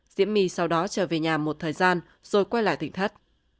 diễm my sau đó trở về nhà một thời gian rồi quay lại thịnh thất